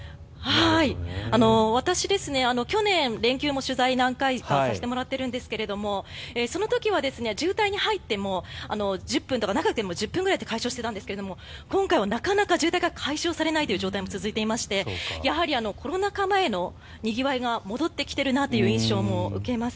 私、去年連休も取材何回かさせていただいてるんですがその時は渋滞に入っても長くても１０分くらいで解消していたんですが今回はなかなか渋滞が解消されないという状態も続いていましてやはりコロナ禍前のにぎわいが戻ってきているなという印象も受けます。